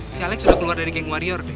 si alex udah keluar dari geng warior deh